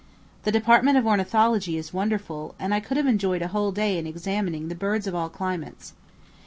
The department of ornithology is wonderful, and I could have enjoyed a whole day in examining the birds of all climates.